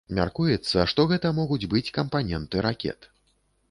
Мяркуецца, што гэта могуць быць кампаненты ракет.